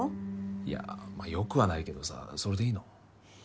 いやあまあよくはないけどさそれでいいの？